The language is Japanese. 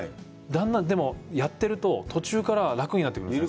だんだんでもやってると、途中から楽になってくるんです。